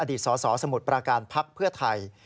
อดีตสอสสมุทรประการภักดิ์เพื่อไทย